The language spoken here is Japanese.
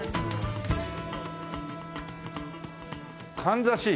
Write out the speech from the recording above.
かんざし。